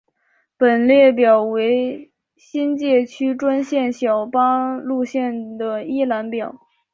本列表为新界区专线小巴路线的一览表。